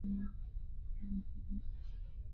ফাঁকিই সহজ, সত্য কঠিন।